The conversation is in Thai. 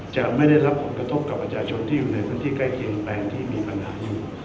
จะไม่ได้รับผลกระทบกับประชาชนที่อยู่ในพื้นที่ใกล้เคียงแปลงที่มีปัญหาอยู่